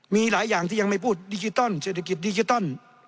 มีหลายอย่างที่ยังไม่พูดดิจิตอลเศรษฐกิจดิจิตอล